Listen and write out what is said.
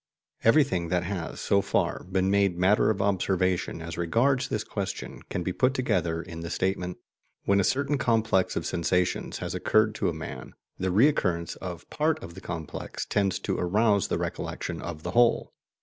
Everything that has, so far, been made matter of observation as regards this question can be put together in the statement: When a certain complex of sensations has occurred to a man, the recurrence of part of the complex tends to arouse the recollection of the whole.